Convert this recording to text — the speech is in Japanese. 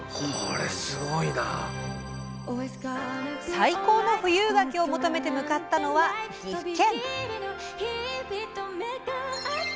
最高の富有柿を求めて向かったのは岐阜県。